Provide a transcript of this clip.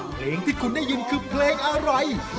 เพลงที่คุณได้ยินคือเพลงอะไร